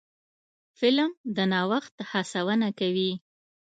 فلم د نوښت هڅونه کوي